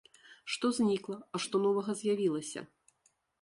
Што знікла, а што новага з'явілася?